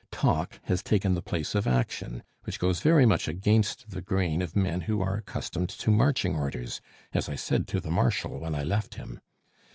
Talk has taken the place of action, which goes very much against the grain with men who are accustomed to marching orders, as I said to the Marshal when I left him.